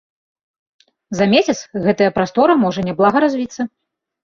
За месяц гэтае прастора можа няблага развіцца.